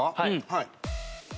はい。